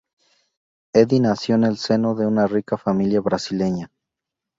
Eddy nació en el seno de una rica familia brasileña.